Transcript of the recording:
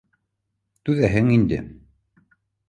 — Түҙәһең инде.